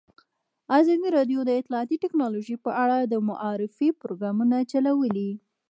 ازادي راډیو د اطلاعاتی تکنالوژي په اړه د معارفې پروګرامونه چلولي.